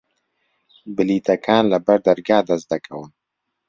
بلیتەکان لە بەردەرگا دەست دەکەون.